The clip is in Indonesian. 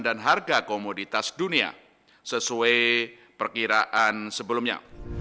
dan harga komoditas dunia sesuai perkiraan sebelumnya